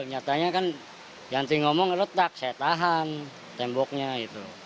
nyatanya kan yanti ngomong retak saya tahan temboknya itu